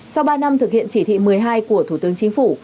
sau ba năm thực hiện chỉ thị một mươi hai của thủ tướng chính phủ